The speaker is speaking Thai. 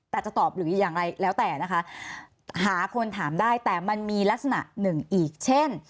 แต่จะตอบหรืออย่างไรแล้วแต่นะคะหาคนถามได้แต่มันมีลักษณะหนึ่งอีกเช่น